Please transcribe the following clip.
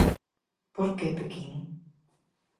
Por que Pequín?